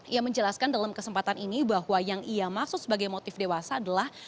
ia menjelaskan dalam kesempatan ini bahwa yang ia maksud sebagai motif dewasa adalah